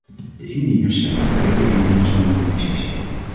De indieners zijn de beide indieners van de commissies.